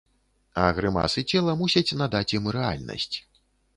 А грымасы цела мусяць надаць ім рэальнасць.